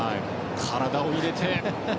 体を入れて。